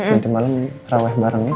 nanti malam terawih bareng ya